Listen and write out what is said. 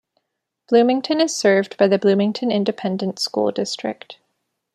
Bloomington is served by the Bloomington Independent School District.